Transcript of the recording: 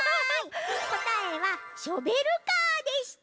こたえはショベルカーでした。